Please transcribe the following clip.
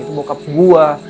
itu bokap gue